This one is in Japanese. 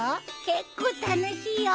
結構楽しいよ。